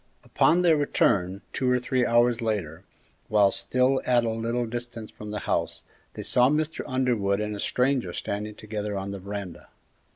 Upon their return, two or three hours later, while still at a little distance from the house, they saw Mr. Underwood and a stranger standing together on the veranda.